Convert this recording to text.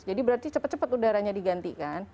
jadi berarti cepet cepet udaranya digantikan